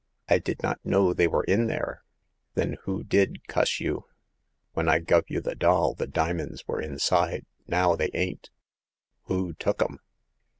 I did not know they were in there !"*' Then who did, cuss you ? When I guv you the doll, the dimins were inside ; now they ain't. Who took 'em